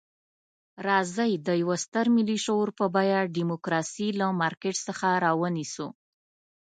راځئ د یوه ستر ملي شعور په بیه ډیموکراسي له مارکېټ څخه رانیسو.